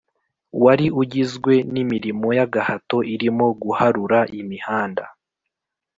wari ugizwe n’imirimo y’agahato irimo guharura imihanda